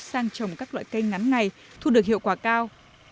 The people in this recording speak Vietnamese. sang trồng các loại canh ngắn này thu được hiệu quả cao